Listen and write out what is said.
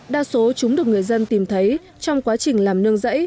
đa số chúng được người dân tìm thấy trong quá trình làm nương rẫy